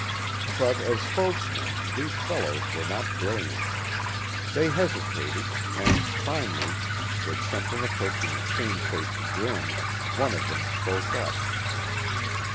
But as spokesmen these fellows were not brilliant. They hesitated, and, finally, with something approaching a shamefaced grin, one of them spoke up.